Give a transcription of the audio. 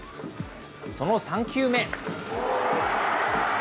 その３球目。